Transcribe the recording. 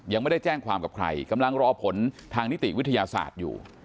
ยังไม่ได้แจ้งความกับใครกำลังรอผลทางนิติวิทยาศาสตร์อยู่